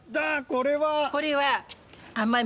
これは。